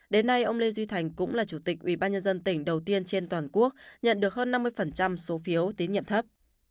đến nay ông lê duy thành cũng là chủ tịch ủy ban nhân dân tỉnh đầu tiên trên toàn quốc nhận được hơn năm mươi số phiếu tín nhiệm thấp